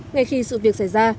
ngay khi sự việc xảy ra